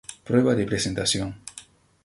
Prueba de presentación.